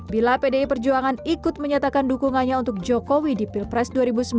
bila pdi perjuangan ikut menyatakan dukungannya untuk jokowi di pilpres dua ribu sembilan belas